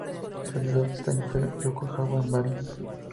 El vencedor de ese año fue Yokohama F. Marinos.